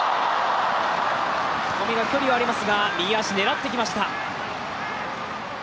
小見が距離はありますが、右足狙ってきました。